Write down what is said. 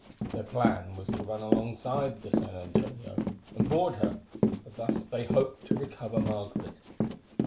Their plan was to run alongside the San Antonio and board her, for thus they hoped to recover Margaret.